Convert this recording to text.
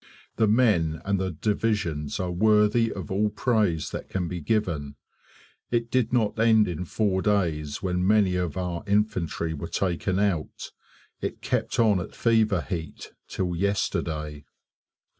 The men and the divisions are worthy of all praise that can be given. It did not end in four days when many of our infantry were taken out. It kept on at fever heat till yesterday.